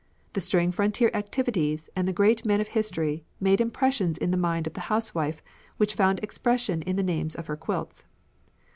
The stirring frontier activities and the great men of history made impressions on the mind of the housewife which found expression in the names of her quilts.